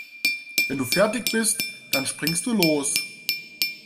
Wenn du fertig bist, dann springst du los.